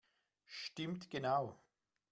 Stimmt genau!